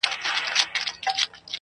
زه خو پاچا نه؛ خپلو خلگو پر سر ووهلم~